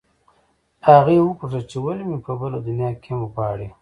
هغې وپوښتل چې ولې مې په بله دنیا کې هم غواړې